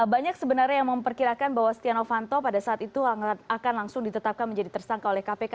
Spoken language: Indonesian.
banyak sebenarnya yang memperkirakan bahwa setia novanto pada saat itu akan langsung ditetapkan menjadi tersangka oleh kpk